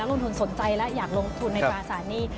แล้วลงทุนสนใจแล้วอยากลงทุนในตราศานี